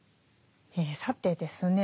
さてですね